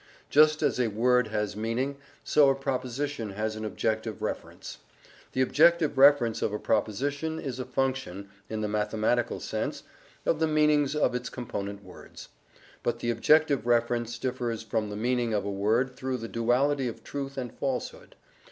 Just as a word has meaning, so a proposition has an objective reference. The objective reference of a proposition is a function (in the mathematical sense) of the meanings of its component words. But the objective reference differs from the meaning of a word through the duality of truth and falsehood.